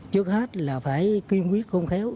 trước hết là phải quyên quyết khôn khéo